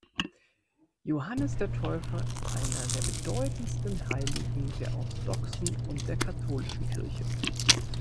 Johannes der Täufer ist einer der bedeutendsten Heiligen der orthodoxen und der katholischen Kirche.